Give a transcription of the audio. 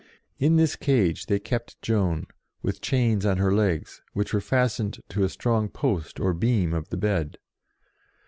In this cage they kept Joan, with chains on her legs, which were fastened to a strong post or beam of the bed.